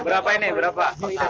berapa ini berapa